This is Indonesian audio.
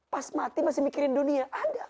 pas mati masih mikirin dunia ada